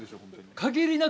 ◆限りなく